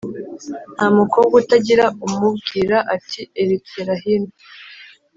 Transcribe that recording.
Nta mukobwa utagira umubwira ati erecyera hino.